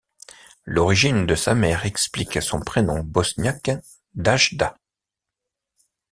L'origine de sa mère explique son prénom bosniaque d'Ajda.